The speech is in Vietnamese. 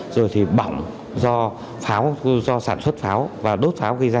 rồi thì bỏng do pháo cho sản xuất pháo và đốt pháo gây ra